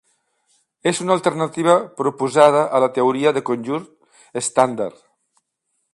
És una alternativa proposada a la teoria de conjunt estàndard.